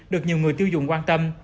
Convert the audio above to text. được nhiều người tiêu dùng quan tâm